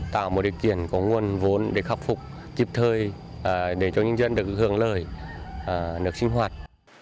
tạo một điều kiện có nguồn vốn để khắc phục tiếp thơi để cho những dân được hưởng lợi nước sinh hoạt